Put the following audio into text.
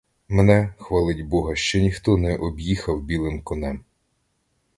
Мене, хвалить бога, ще ніхто не об'їхав білим конем.